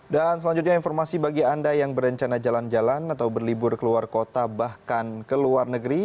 dan selanjutnya informasi bagi anda yang berencana jalan jalan atau berlibur ke luar kota bahkan ke luar negeri